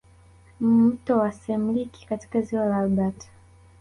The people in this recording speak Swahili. Mto wa semliki katika ziwa la Albert